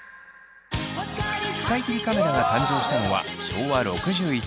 使い切りカメラが誕生したのは昭和６１年。